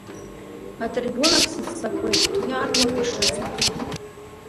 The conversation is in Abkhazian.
Атрибунахь сыццакуеит, уи аарлоуп ишысҳәаз.